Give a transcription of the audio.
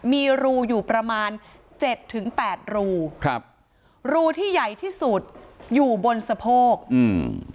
มีรูอยู่ประมาณเจ็ดถึงแปดรูครับรูที่ใหญ่ที่สุดอยู่บนสะโพกอืม